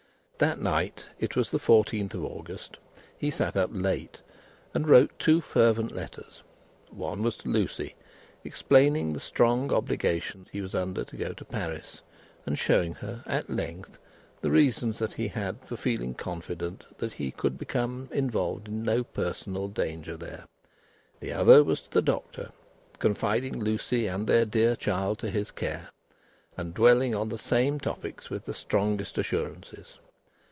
That night it was the fourteenth of August he sat up late, and wrote two fervent letters; one was to Lucie, explaining the strong obligation he was under to go to Paris, and showing her, at length, the reasons that he had, for feeling confident that he could become involved in no personal danger there; the other was to the Doctor, confiding Lucie and their dear child to his care, and dwelling on the same topics with the strongest assurances.